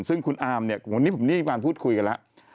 ซึ่งคุณอามเนี่ยวันนี้ผมได้มีการพูดคุยกันแล้ว